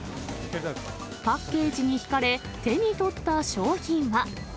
パッケージに引かれ、手に取った商品は。